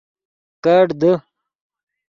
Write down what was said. کیڑ دے